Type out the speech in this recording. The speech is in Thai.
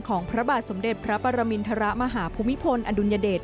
พระบาทสมเด็จพระปรมินทรมาหาภูมิพลอดุลยเดช